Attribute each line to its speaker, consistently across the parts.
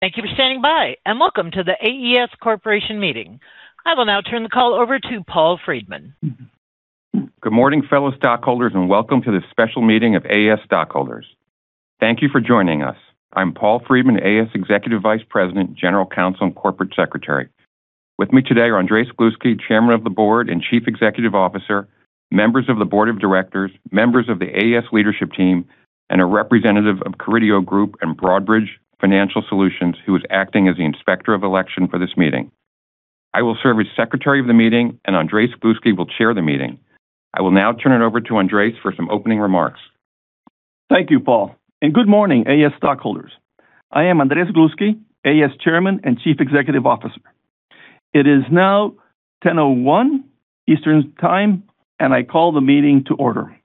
Speaker 1: Thank you for standing by, welcome to The AES Corporation meeting. I will now turn the call over to Paul Freedman.
Speaker 2: Good morning, fellow stockholders, welcome to this special meeting of AES stockholders. Thank you for joining us. I'm Paul Freedman, AES Executive Vice President, General Counsel, and Corporate Secretary. With me today are Andrés Gluski, Chairman of the Board and Chief Executive Officer, members of the Board of Directors, members of the AES leadership team, and a representative of Carideo Group and Broadridge Financial Solutions, who is acting as the Inspector of Election for this meeting. I will serve as Secretary of the meeting, Andrés Gluski will chair the meeting. I will now turn it over to Andrés for some opening remarks.
Speaker 3: Thank you, Paul, good morning, AES stockholders. I am Andrés Gluski, AES Chairman and Chief Executive Officer. It is now 10:01 A.M. Eastern Time, I call the meeting to order.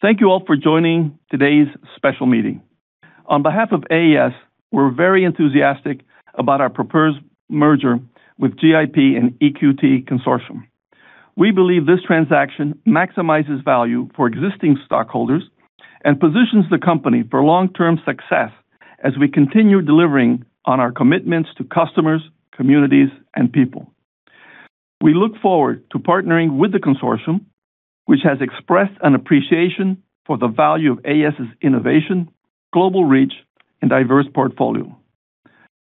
Speaker 3: Thank you all for joining today's special meeting. On behalf of AES, we're very enthusiastic about our proposed merger with GIP and EQT Consortium. We believe this transaction maximizes value for existing stockholders and positions the company for long-term success as we continue delivering on our commitments to customers, communities, and people. We look forward to partnering with the consortium, which has expressed an appreciation for the value of AES' innovation, global reach, and diverse portfolio.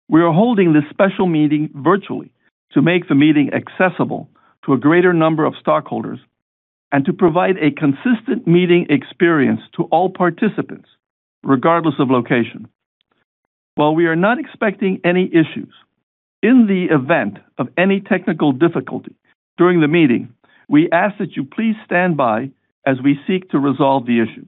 Speaker 3: We are holding this special meeting virtually to make the meeting accessible to a greater number of stockholders and to provide a consistent meeting experience to all participants, regardless of location. While we are not expecting any issues, in the event of any technical difficulty during the meeting, we ask that you please stand by as we seek to resolve the issue.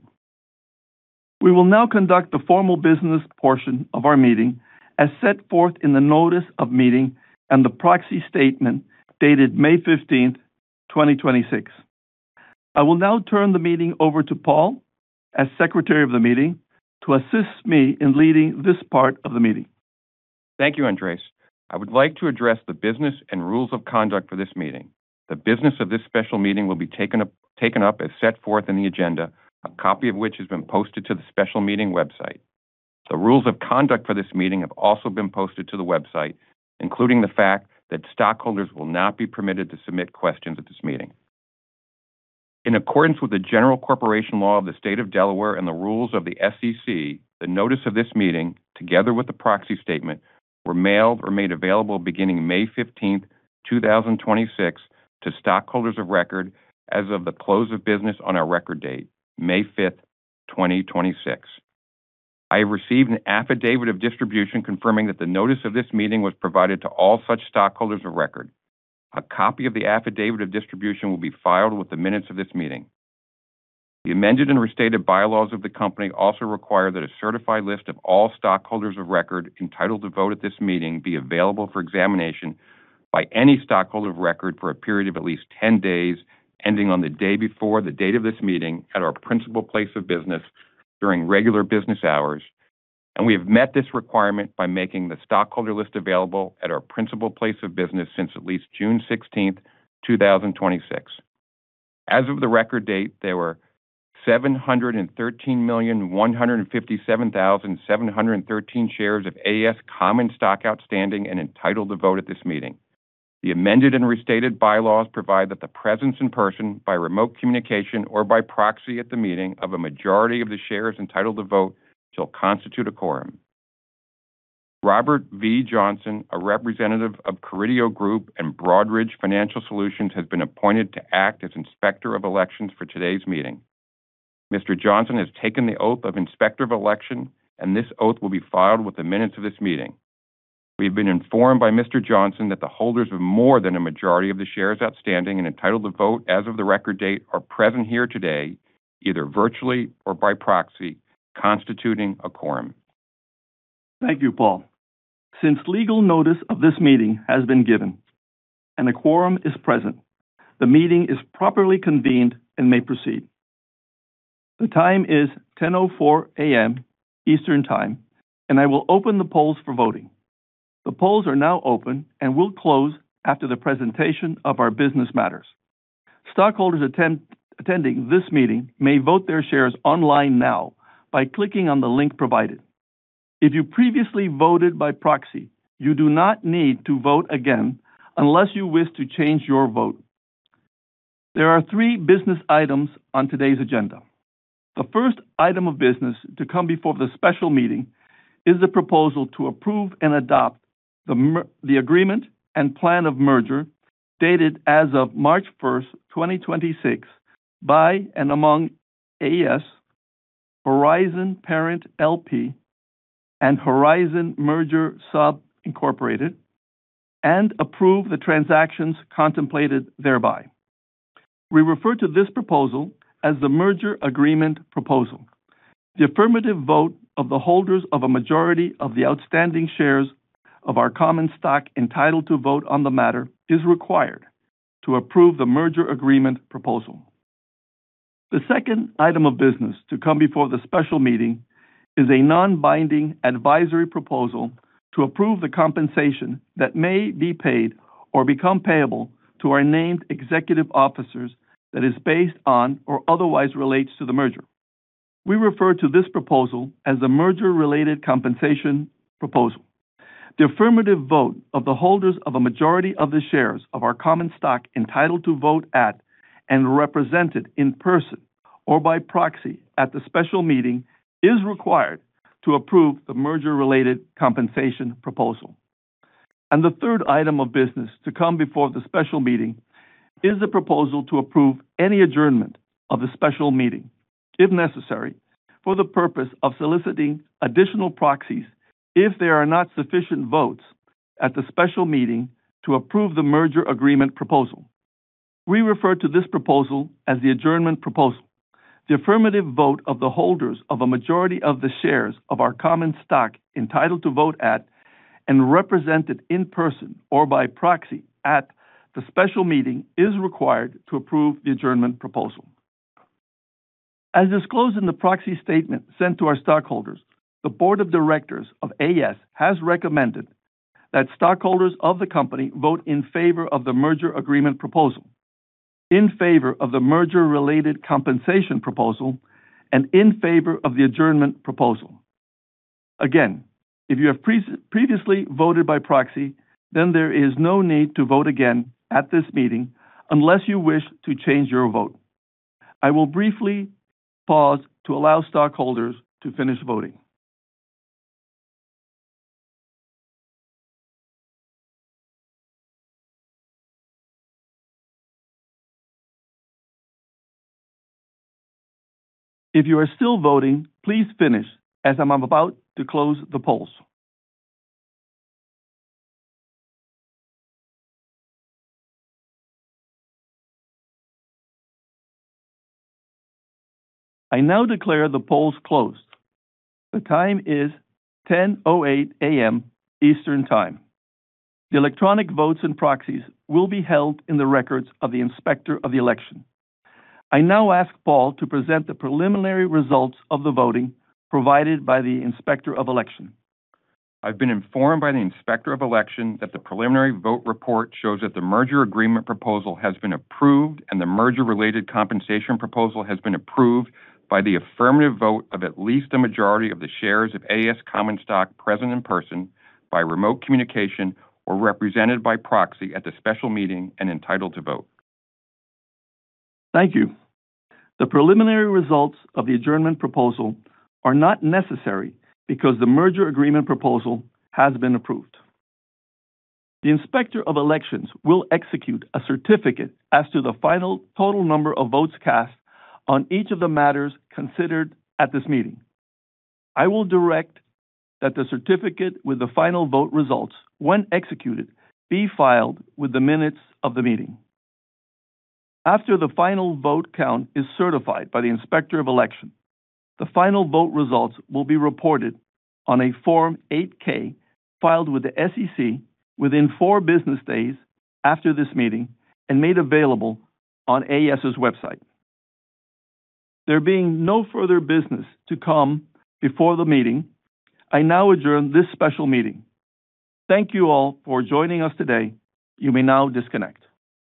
Speaker 3: We will now conduct the formal business portion of our meeting as set forth in the notice of meeting and the proxy statement dated May 15th, 2026. I will now turn the meeting over to Paul as Secretary of the meeting to assist me in leading this part of the meeting.
Speaker 2: Thank you, Andrés. I would like to address the business and rules of conduct for this meeting. The business of this special meeting will be taken up as set forth in the agenda, a copy of which has been posted to the special meeting website. The rules of conduct for this meeting have also been posted to the website, including the fact that stockholders will not be permitted to submit questions at this meeting. In accordance with the general corporation law of the state of Delaware and the rules of the SEC, the notice of this meeting, together with the proxy statement, were mailed or made available beginning May 15th, 2026 to stockholders of record as of the close of business on our record date, May 5th, 2026. I have received an affidavit of distribution confirming that the notice of this meeting was provided to all such stockholders of record. A copy of the affidavit of distribution will be filed with the minutes of this meeting. The amended and restated bylaws of the company also require that a certified list of all stockholders of record entitled to vote at this meeting be available for examination by any stockholder of record for a period of at least 10 days ending on the day before the date of this meeting at our principal place of business during regular business hours, and we have met this requirement by making the stockholder list available at our principal place of business since at least June 16th, 2026. As of the record date, there were 713,157,713 shares of AES common stock outstanding and entitled to vote at this meeting. The amended and restated bylaws provide that the presence in person, by remote communication, or by proxy at the meeting of a majority of the shares entitled to vote shall constitute a quorum. Robert V. Johnson, a representative of Carideo Group and Broadridge Financial Solutions, has been appointed to act as Inspector of Elections for today's meeting. Mr. Johnson has taken the oath of Inspector of Election, and this oath will be filed with the minutes of this meeting. We have been informed by Mr. Johnson that the holders of more than a majority of the shares outstanding and entitled to vote as of the record date are present here today, either virtually or by proxy, constituting a quorum.
Speaker 3: Thank you, Paul. Legal notice of this meeting has been given and a quorum is present, the meeting is properly convened and may proceed. The time is 10:04 A.M. Eastern Time. I will open the polls for voting. The polls are now open and will close after the presentation of our business matters. Stockholders attending this meeting may vote their shares online now by clicking on the link provided. If you previously voted by proxy, you do not need to vote again unless you wish to change your vote. There are three business items on today's agenda. The first item of business to come before the special meeting is the proposal to approve and adopt the Agreement and Plan of Merger dated as of March 1st, 2026 by and among AES, Horizon Parent, L.P., and Horizon Merger Sub, Incorporated, and approve the transactions contemplated thereby. We refer to this proposal as the Merger Agreement Proposal. The affirmative vote of the holders of a majority of the outstanding shares of our common stock entitled to vote on the matter is required to approve the Merger Agreement Proposal. The second item of business to come before the special meeting is a non-binding advisory proposal to approve the compensation that may be paid or become payable to our named executive officers that is based on or otherwise relates to the merger. We refer to this proposal as the Merger-Related Compensation Proposal. The affirmative vote of the holders of a majority of the shares of our common stock entitled to vote at and represented in person or by proxy at the special meeting is required to approve the Merger-Related Compensation Proposal. The third item of business to come before the special meeting is the proposal to approve any adjournment of the special meeting, if necessary, for the purpose of soliciting additional proxies if there are not sufficient votes at the special meeting to approve the Merger Agreement Proposal. We refer to this proposal as the Adjournment Proposal. The affirmative vote of the holders of a majority of the shares of our common stock entitled to vote at and represented in person or by proxy at the special meeting is required to approve the Adjournment Proposal. As disclosed in the proxy statement sent to our stockholders, the board of directors of AES has recommended that stockholders of the company vote in favor of the Merger Agreement Proposal, in favor of the Merger-Related Compensation Proposal, and in favor of the Adjournment Proposal. Again, if you have previously voted by proxy, then there is no need to vote again at this meeting unless you wish to change your vote. I will briefly pause to allow stockholders to finish voting. If you are still voting, please finish, as I'm about to close the polls. I now declare the polls closed. The time is 10:08 A.M. Eastern Time. The electronic votes and proxies will be held in the records of the inspector of the election. I now ask Paul to present the preliminary results of the voting provided by the inspector of election.
Speaker 2: I've been informed by the inspector of election that the preliminary vote report shows that the Merger Agreement Proposal has been approved and the Merger-Related Compensation Proposal has been approved by the affirmative vote of at least a majority of the shares of AES common stock present in person, by remote communication, or represented by proxy at the special meeting and entitled to vote.
Speaker 3: Thank you. The preliminary results of the adjournment proposal are not necessary because the Merger Agreement Proposal has been approved. The inspector of elections will execute a certificate as to the final total number of votes cast on each of the matters considered at this meeting. I will direct that the certificate with the final vote results, when executed, be filed with the minutes of the meeting. After the final vote count is certified by the inspector of election, the final vote results will be reported on a Form 8-K filed with the SEC within four business days after this meeting and made available on AES' website. There being no further business to come before the meeting, I now adjourn this special meeting. Thank you all for joining us today. You may now disconnect.